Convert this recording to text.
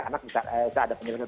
anak bisa ada penyelesaian